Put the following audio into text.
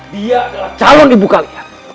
dia adalah calon ibu kalian